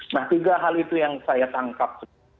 nah tiga hal itu yang saya tangkap